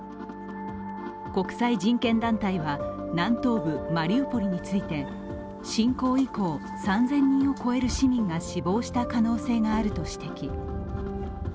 国際人権団体は南東部マリウポリについて侵攻以降３０００人を超える市民が死亡した可能性があると指摘。